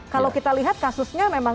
kalau kita lihat kasusnya memang